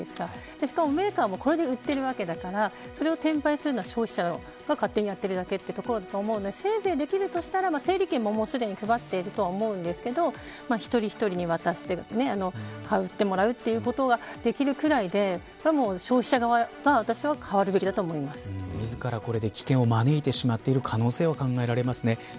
しかもメーカーもこれで売っているわけですからそれを転売するのは消費者が勝手にやっているだけだと思うのでせいぜいできるとしたら整理券もすでに配ってると思うんですけど一人一人に渡して買ってもらうということができるぐらいでこれは、消費者側が、私は自ら、これで危険を招いてしまってる可能性は考えられます。